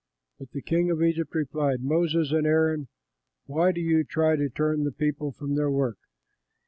But the king of Egypt replied, "Moses and Aaron, why do you try to turn the people from their work?